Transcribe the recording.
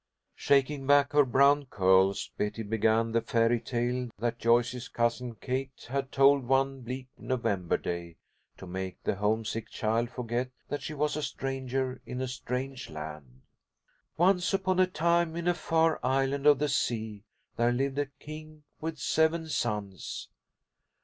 Shaking back her brown curls, Betty began the fairy tale that Joyce's Cousin Kate had told one bleak November day, to make the homesick child forget that she was "a stranger in a strange land." "Once upon a time, in a far island of the sea, there lived a king with seven sons."